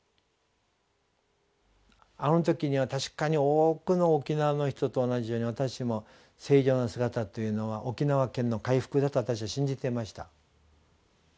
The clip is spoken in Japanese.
あの時には確かに多くの沖縄の人と同じように私も正常な姿というのは「沖縄県の回復だ」と私は信じてました。